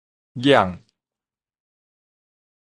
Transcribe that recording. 嚷